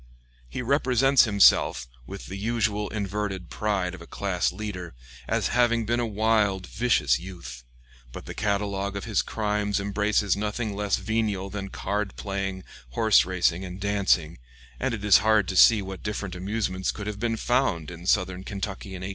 He represents himself, with the usual inverted pride of a class leader, as having been a wild, vicious youth; but the catalogue of his crimes embraces nothing less venial than card playing, horse racing, and dancing, and it is hard to see what different amusements could have been found in southern Kentucky in 1801.